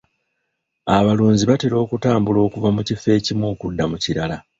Abalunzi batera okutambula okuva mu kifo ekimu okudda mu kirala.